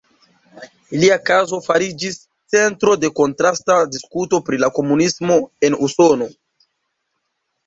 Ilia kazo fariĝis centro de kontrasta diskuto pri la komunismo en Usono.